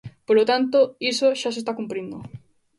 Polo tanto, iso xa se está cumprindo.